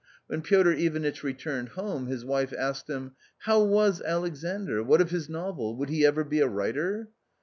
When Piotr Ivanitch returned home, his wife asked him :" How was Alexandr, what of his novel, would he ever be a writer